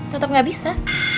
tetep gak bisa